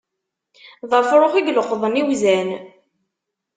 D afṛux, i yeleqḍen iwzan.